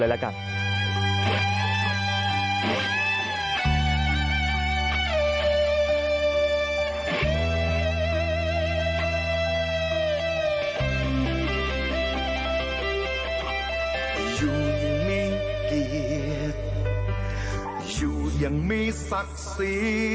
ให้ไม่มีวันจบไม่เคยว่างเวลา